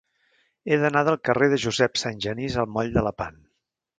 He d'anar del carrer de Josep Sangenís al moll de Lepant.